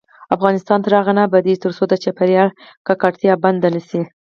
افغانستان تر هغو نه ابادیږي، ترڅو د چاپیریال ککړتیا بنده نشي.